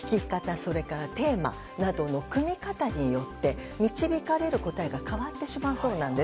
それからテーマなどの組み方によって導かれる答えが変わってしまうそうなんです。